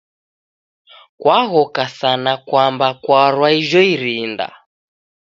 Kwaghoka sana kwamba kwarwa ijo irinda